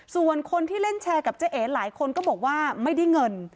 ส่วนคนที่เล่นแชร์กับเจ๊เอหลายคนก็บอกว่าไม่ได้เงิน